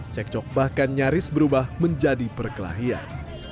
cekcok bahkan nyaris berubah menjadi perkelahian